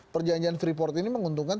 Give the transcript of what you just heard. perjanjian freeport ini menguntungkan